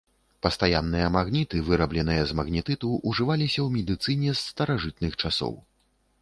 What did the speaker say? Пастаянныя магніты, вырабленыя з магнетыту, ўжываліся ў медыцыне з старажытных часоў.